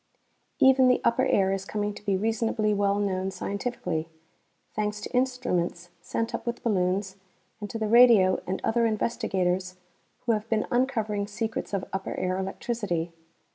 Even the upper air is coming to be reasonably well known scientifically, thanks to instruments sent up with balloons and to the radio and other investigators who have been uncovering secrets of upper air electricity.